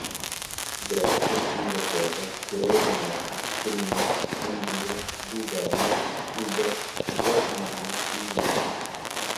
Grécia, Inglaterra, Coreia do Norte, Benim, Honduras, Bulgária, Cuba, Guatemala, Islândia